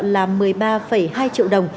là một mươi ba hai triệu đồng